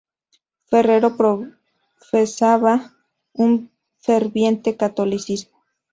Ferrero profesaba un ferviente catolicismo.